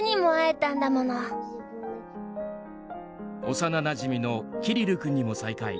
幼なじみのキリル君にも再会。